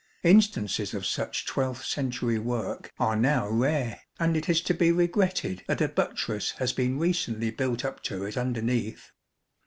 Instances of such 12th century work are now rare, and it is to be regretted that a buttress has been recently built up to it underneath.